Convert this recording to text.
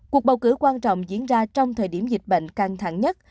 cuộc bầu cử quan trọng diễn ra trong thời điểm dịch bệnh căng thẳng nhất